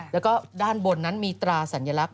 แล้วก็ด้านบนนั้นมีตราสัญลักษณ